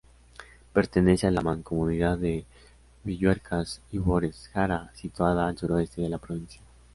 Pertenece a la mancomunidad de Villuercas-Ibores-Jara, situada al Sureste de la provincia.